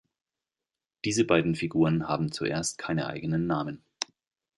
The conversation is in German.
Diese beiden Figuren haben zuerst keine eigenen Namen.